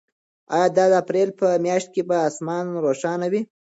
آیا د اپریل په میاشت کې به اسمان روښانه وي؟